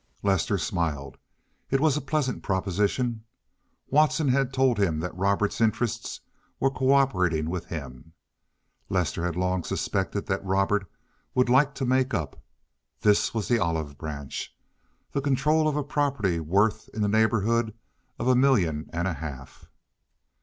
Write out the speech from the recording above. Lester smiled. It was a pleasant proposition. Watson had told him that Robert's interests were co operating with him. Lester had long suspected that Robert would like to make up. This was the olive branch—the control of a property worth in the neighborhood of a million and a half.